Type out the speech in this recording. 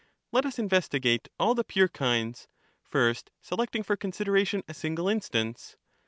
Let us investigate all the pure kinds ; first selecting c^^f ^^ for consideration a single instance.